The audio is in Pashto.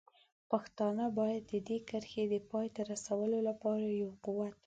پښتانه باید د دې کرښې د پای ته رسولو لپاره یو قوت وي.